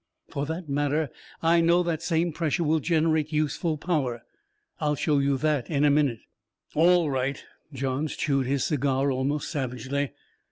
For that matter, I know that same pressure will generate useful power. I'll show you that in a minute." "All right!" Johns chewed his cigar almost savagely.